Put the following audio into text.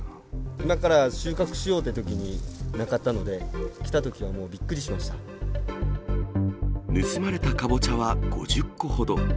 今から収穫しようというときになかったので、来たときはもうびっ盗まれたカボチャは５０個ほど。